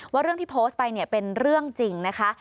ว่าเรื่องที่โพสต์ไปเนี่ยเป็นเรื่องจริงนะคะ